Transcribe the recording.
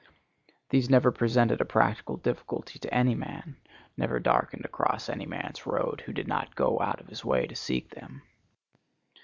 These never presented a practical difficulty to any man,—never darkened across any man's road who did not go out of his way to seek them.